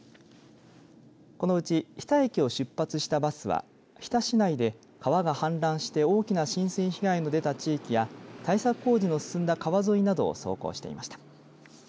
このうち日田駅を出発したバスは日田市内で川が氾濫して大きな浸水被害の出た地域や対策工事の進んだ川沿いなどを走行していました。